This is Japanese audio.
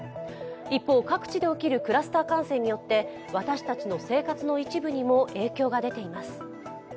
一方、各地で起きるクラスター感染によって私たちの生活の一部にも影響が出ています。